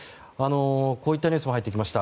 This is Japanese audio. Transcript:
こういったニュースも入ってきました。